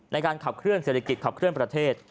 ในการขับเคลื่อเศรษฐกิจขับเคลื่อนประเทศ